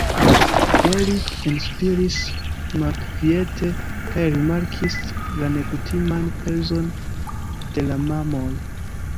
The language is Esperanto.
Eric enspiris malkviete kaj rimarkis la nekutiman pezon de la mamoj.